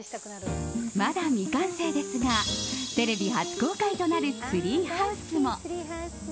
まだ未完成ですがテレビ初公開となるツリーハウスも。